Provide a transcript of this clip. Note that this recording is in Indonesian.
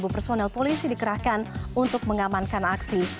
tujuh personel polisi dikerahkan untuk mengamankan aksi